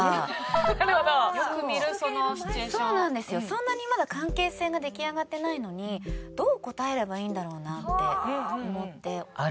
そんなにまだ関係性が出来上がってないのにどう答えればいいんだろうなって思って。